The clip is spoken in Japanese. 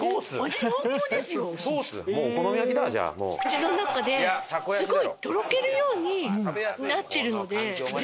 口の中ですごいとろけるようになっているので。